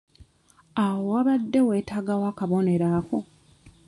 Awo wabadde weetaagawo akabonero ako?